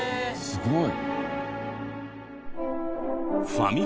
すごい！